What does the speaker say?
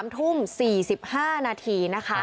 ๓ทุ่ม๔๕นาที